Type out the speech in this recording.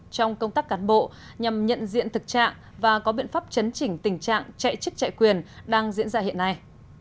trong công tác cán bộ nhằm nhận diện thực trạng và có biện pháp chấn chỉnh tình trạng chạy chức chạy quyền đang diễn ra hiện nay